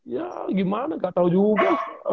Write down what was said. ya gimana gak tau juga